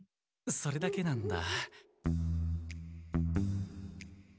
それだけなんだ。